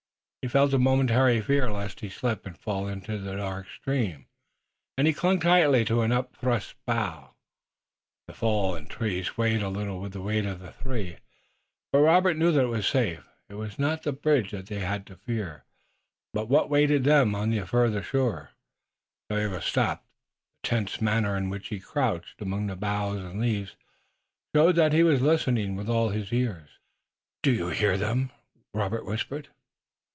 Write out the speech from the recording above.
He felt a momentary fear lest he slip and fall into the dark stream, and he clung tightly to an upthrust bough. The fallen tree swayed a little with the weight of the three, but Robert knew that it was safe. It was not the bridge that they had to fear, but what awaited them on the farther shore. Tayoga stopped, and the tense manner in which he crouched among the boughs and leaves showed that he was listening with all his ears. "Do you hear them?" Robert whispered.